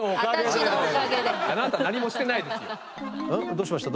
どうしました？